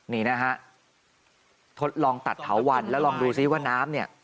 นี่นะฮะทดลองตัดเถาวันแล้วลองดูซิว่าน้ำเนี่ย